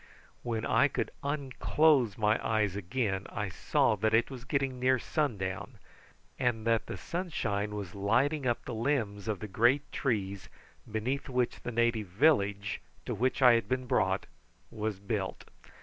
When I could unclose my eyes again I saw that it was getting near sundown, and that the sunshine was lighting up the limbs of the great trees beneath which the native village to which I had been brought was built.